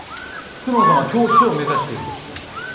久能さんは教師を目指していると聞きました。